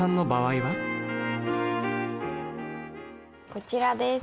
こちらです。